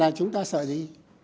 thế là chúng ta sợ gì